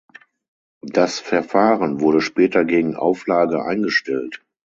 Das Verfahren wurde später gegen Auflage eingestellt.